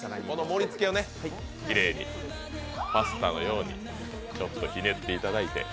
盛り付けをきれいにパスタのようにちょっとひねっていただいて。